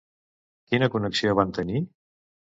Quina connexió van tenir?